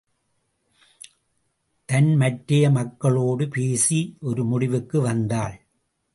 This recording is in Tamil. தன் மற்றைய மக்களோடு பேசி ஒரு முடிவுக்கு வந்தாள்.